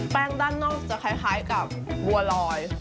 แป้งด้านนอกจะคล้ายกับบัวลอย